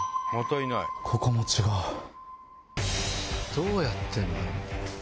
どうやってんだろう？